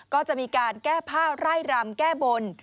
ก็จะมีการแก้ผ้าไร่รำแก้บน